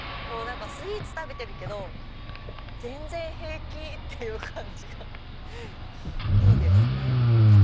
スイーツ食べてるけど全然平気！っていう感じがいいですね。